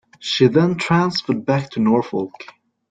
She then transferred back to Norfolk.